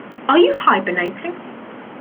Are you hibernating?